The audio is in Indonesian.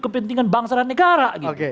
kepentingan bangsa dan negara